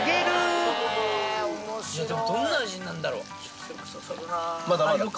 どんな味になるんだろ？